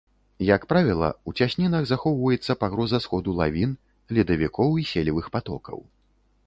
Як правіла, у цяснінах захоўваецца пагроза сходу лавін, ледавікоў і селевых патокаў.